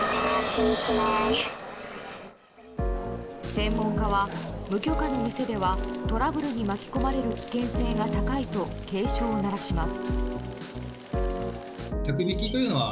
専門家は、無許可の店ではトラブルに巻き込まれる危険性が高いと警鐘を鳴らします。